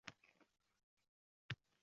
biz ham kirsak bo'ladimi?